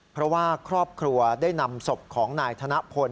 เพราะว่าครอบครัวได้นำศพของนายธนพล